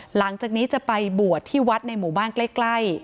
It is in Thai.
หลังจากนี้จะไปบวชที่วัดในหมู่บ้านใกล้